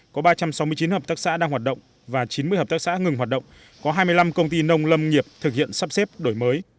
có ba trăm sáu mươi chín hợp tác xã đang hoạt động và chín mươi hợp tác xã ngừng hoạt động có hai mươi năm công ty nông lâm nghiệp thực hiện sắp xếp đổi mới